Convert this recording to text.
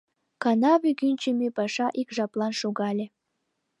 Канаве кӱнчымӧ паша ик жаплан шогале.